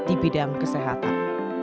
di bidang kesehatan